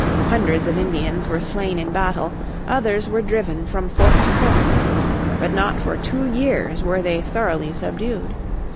Hundreds of the Indians were slain in battle, others were driven from fort to fort. But not for two years were they thoroughly subdued.